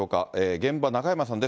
現場、中山さんです。